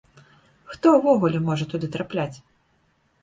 Хто ўвогуле можа туды трапляць?